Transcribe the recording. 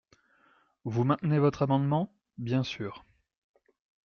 Vous maintenez votre amendement ? Bien sûr.